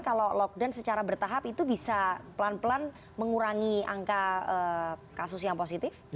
kalau lockdown secara bertahap itu bisa pelan pelan mengurangi angka kasus yang positif